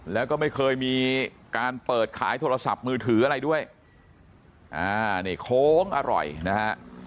แล้วก็ไม่เคยมีการเปิดขายโทรศัพท์มือถืออะไรด้วยอ่านี่โค้งอร่อยนะฮะ